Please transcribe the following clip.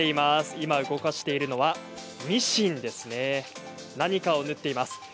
今、動かしているのはミシンで何かを縫っています。